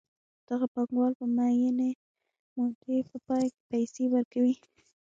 دغه پانګوال د معینې مودې په پای کې پیسې ورکوي